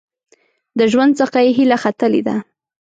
د ژوند څخه یې هیله ختلې ده .